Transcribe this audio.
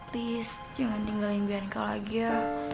tolong jangan hindari bianka lagi ya